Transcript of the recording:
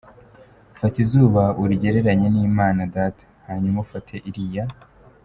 Fata izuba urigereranye n'Imana Data, hanyuma ufate iriya.